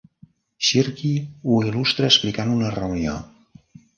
Shirky ho il·lustra explicant una reunió.